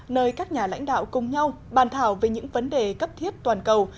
nơi các nhà lãnh đạo cùng nhau bàn thảo về những vấn đề cấp thiết toàn cầu